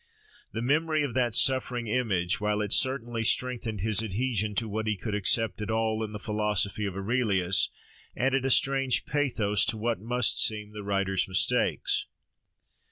The memory of that suffering image, while it certainly strengthened his adhesion to what he could accept at all in the philosophy of Aurelius, added a strange pathos to what must seem the writer's mistakes.